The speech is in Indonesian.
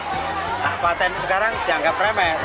nah patent sekarang jangka premes